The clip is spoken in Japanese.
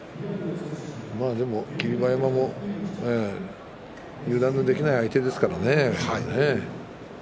でも霧馬山も油断のできない相手ですからね。